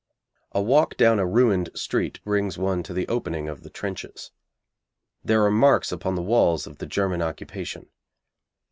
A walk down a ruined street brings one to the opening of the trenches. There are marks upon the walls of the German occupation.